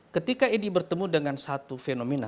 ketika ini bertemu dengan satu fenomena